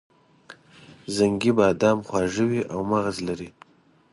زنګي بادام خواږه وي او مغز لري.